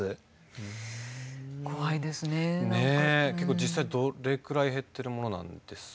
実際どれくらい減ってるものなんですか？